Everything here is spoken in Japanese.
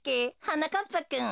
はなかっぱくん。